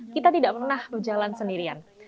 kita tidak pernah berjalan sendirian